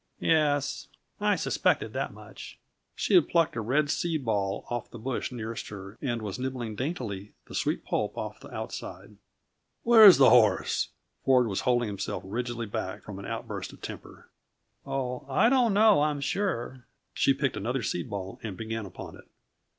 "Yes. I suspected that much." She had plucked a red seed ball off the bush nearest her and was nibbling daintily the sweet pulp off the outside. "Where is the horse?" Ford was holding himself rigidly hack from an outburst of temper. "Oh, I don't know, I'm sure." She picked another seed ball and began upon it.